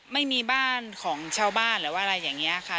ไม่มีบ้านของชาวบ้านหรือว่าอะไรอย่างนี้ค่ะ